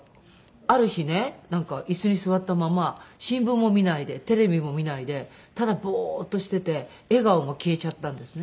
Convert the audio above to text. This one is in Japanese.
ある日ねなんか椅子に座ったまま新聞も見ないでテレビも見ないでただボーッとしていて笑顔も消えちゃったんですね。